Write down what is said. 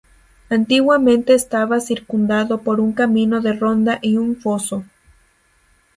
Antiguamente estaba circundado por un camino de ronda y un foso.